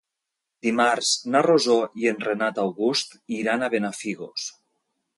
Dimarts na Rosó i en Renat August iran a Benafigos.